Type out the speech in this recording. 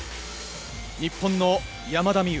日本の山田美諭。